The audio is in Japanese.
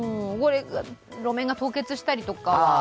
路面が凍結したりとか。